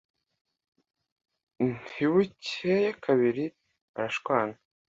ntibukeye kabiri barashwana